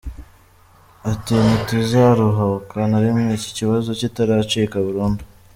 Ati “Ntituzaruhuka na rimwe iki kibazo kitaracika burundu.